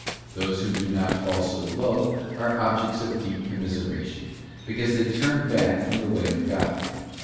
Those who do not fall so low are objects of deep commiseration, because they turn back from the way of God.